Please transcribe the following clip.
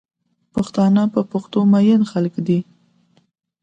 پښتانه په پښتو مئین خلک دی